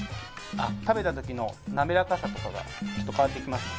食べたときの滑らかさとかがちょっと変わってきますので。